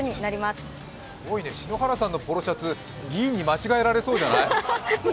すごいね、篠原さんのポロシャツ議員に間違われそうじゃない？